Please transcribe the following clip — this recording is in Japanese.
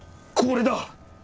これだ！